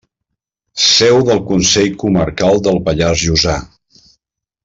Seu del Consell Comarcal del Pallars Jussà.